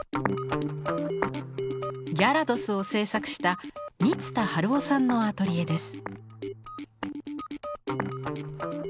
ギャラドスを制作した満田晴穂さんのアトリエです。